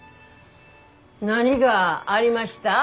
何がありました？